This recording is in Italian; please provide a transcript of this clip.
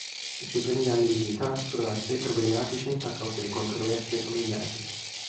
I suoi primi anni di vita furono assai problematici a causa di controversie familiari.